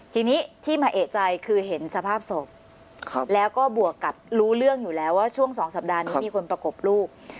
ทีนี้ที่มาเอกใจคือเห็นสภาพศพแล้วก็บวกกับรู้เรื่องอยู่แล้วว่าช่วง๒สัปดาห์นี้มีคนประกบลูก